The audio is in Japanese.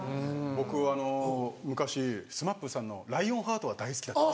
僕昔ＳＭＡＰさんの『らいおんハート』が大好きだった。